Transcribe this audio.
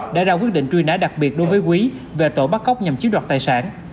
đã ra quyết định truy nã đặc biệt đối với quý về tội bắt cóc nhằm chiếm đoạt tài sản